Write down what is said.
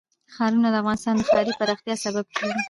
ښارونه د افغانستان د ښاري پراختیا سبب کېږي.